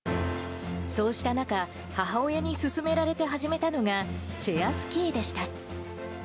そうした中、母親に勧められて始めたのが、チェアスキーでした。